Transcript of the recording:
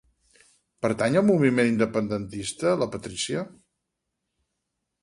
Pertany al moviment independentista la Patricia?